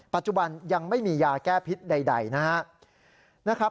ปัจจุบันยังไม่มียาแก้พิษใดนะครับ